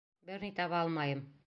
Бер ни таба алмайым.